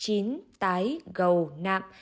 ín tái gầu nạm